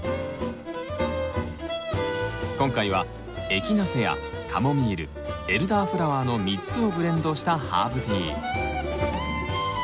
今回はエキナセアカモミールエルダーフラワーの３つをブレンドしたハーブティー。